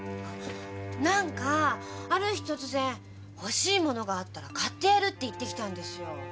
何かある日突然「欲しいものがあったら買ってやる」って言ってきたんですよ。